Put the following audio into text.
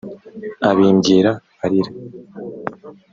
abimbwira arira